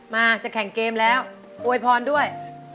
มาจะแข่งเกมแล้วอวยพรด้วย